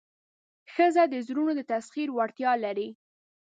ښځه د زړونو د تسخیر وړتیا لري.